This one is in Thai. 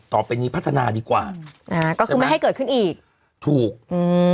ต่อไปนี้พัฒนาดีกว่าอ่าก็คือไม่ให้เกิดขึ้นอีกถูกอืม